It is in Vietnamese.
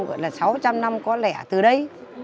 gọi là sáu trăm linh năm có lẻ từ đấy